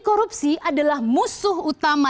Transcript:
korupsi adalah musuh utama